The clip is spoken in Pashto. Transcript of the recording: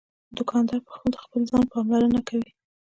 دوکاندار د خپل ځان پاملرنه کوي.